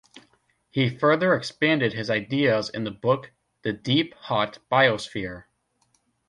He further expanded his ideas in the book "The Deep Hot Biosphere".